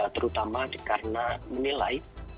terutama karena menilai